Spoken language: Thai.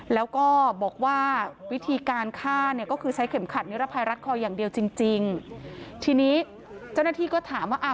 แล้วก็บอกว่าวิธีการฆ่าเนี่ยก็คือใช้เข็มขัดนิรภัยรัดคออย่างเดียวจริงจริงทีนี้เจ้าหน้าที่ก็ถามว่าอ่า